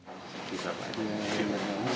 kamu bisa melihatku